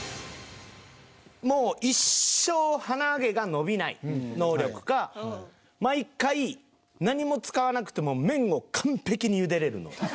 もう一生鼻毛が伸びない能力か毎回何も使わなくても麺を完璧に茹でれるの。